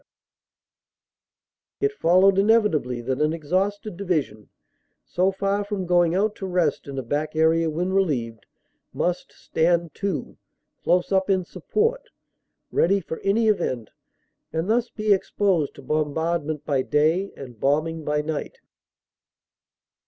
136 CANADA S HUNDRED DAYS It followed inevitably that an exhausted division, so far from going out to rest in a back area when relieved, must "stand to," close up in support, ready for any event, and thus be exposed to bombardment by day and bombing by night.